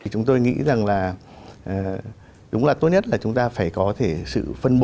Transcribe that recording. chúng tôi nghĩ rằng là đúng là tốt nhất là chúng ta phải có thể sự phân bổ